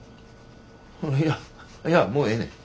いやいやもうええねん。